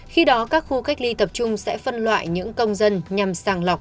khi đó các khu cách ly tập trung sẽ phân loại những công dân nhằm sàng lọc